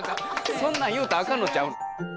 そんなん言うたらあかんのんちゃうの？